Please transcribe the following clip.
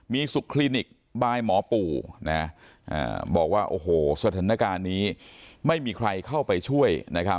มีสุขคลินิกบายหมอปู่บอกว่าโอ้โหสถานการณ์นี้ไม่มีใครเข้าไปช่วย